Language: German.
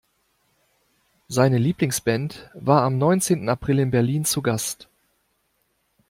Seine Lieblingsband war am neunzehnten April in Berlin zu Gast.